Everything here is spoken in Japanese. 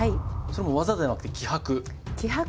それも技ではなくて気迫？